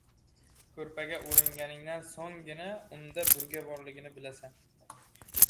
• Ko‘rpaga o‘ranganingdan so‘nggina unda burga borligini bilasan.